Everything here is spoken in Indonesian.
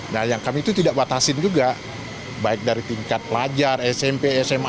nah yang kami itu tidak batasin juga baik dari tingkat pelajar smp sma